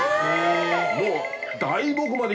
もう。